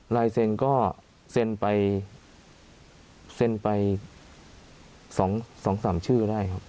ลายเซ็นก็เซ็นไป๒๓ชื่อได้ครับ